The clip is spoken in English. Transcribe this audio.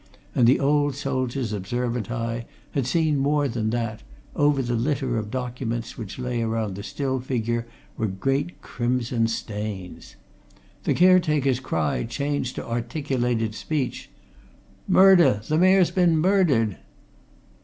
And the old soldier's observant eye had seen more than that over the litter of documents which lay around the still figure were great crimson stains. The caretaker's cry changed to articulated speech. "Murder! The Mayor's been murdered!"